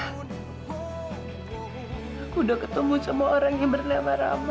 aku sudah ketemu semua orang yang bernama rama